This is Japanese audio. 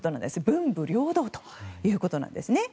文武両道ということなんですね。